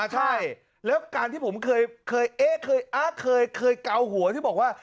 ใช่แล้วการที่ผมเคยเก่าหัวที่บอกว่า